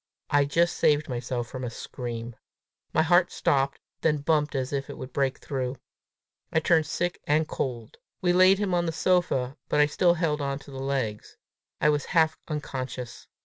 I just saved myself from a scream. My heart stopped, then bumped as if it would break through. I turned sick and cold. We laid him on the sofa, but I still held on to the legs; I was half unconscious.